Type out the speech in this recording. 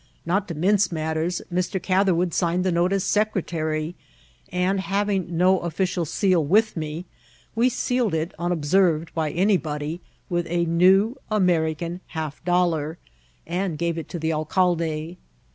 Not to mince matters, Mr. Cath erwood signed the note as Secretary ; and, having no official seal with me, we sealed it, unobserved by any* body, with a new American half dollar, and gave it to the alcalde.